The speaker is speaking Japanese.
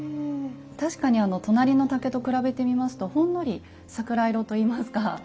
確かに隣の竹と比べてみますとほんのり桜色といいますか。